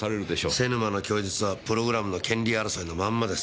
瀬沼の供述はプログラムの権利争いのまんまです。